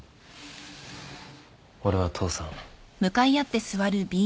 俺は父さん。